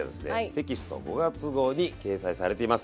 テキスト５月号に掲載されています。